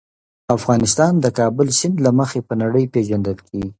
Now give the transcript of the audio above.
افغانستان د کابل سیند له مخې په نړۍ پېژندل کېږي.